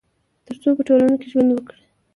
تر څو په ټولنه کي ژوند وکړي